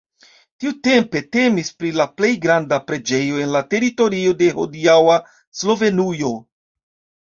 Tiutempe temis pri la plej granda preĝejo en la teritorio de hodiaŭa Slovenujo.